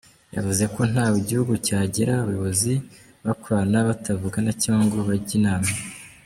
Yavuze ko ntaho igihugu cyagera abayobozi bakorana batavugana cyangwa ngo bajye inama.